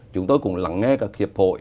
chúng tôi cũng lắng nghe các hiệp hội